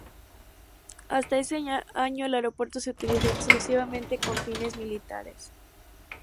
Hasta ese año, el aeropuerto se utilizó exclusivamente con fines militares.